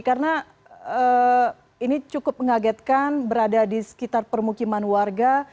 karena ini cukup mengagetkan berada di sekitar permukiman warga